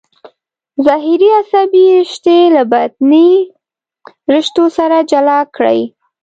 ظهري عصبي رشتې له بطني رشتو سره جلا کړئ.